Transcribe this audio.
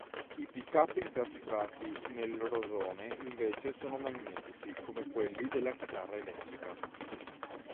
I pick-up incastrati nel rosone invece sono magnetici, come quelli della chitarra elettrica.